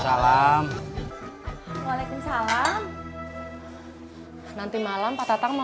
oke aku pinta pintu después bahashnlichan